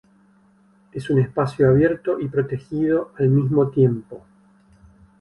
Es un espacio abierto y protegido al mismo tiempo.